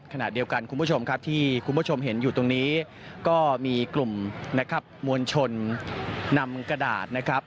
ขณะเดียวกันคุณผู้ชมครับที่คุณผู้ชมเห็นอยู่ตรงนี้ก็มีกลุ่มนะครับมวลชนนำกระดาษนะครับ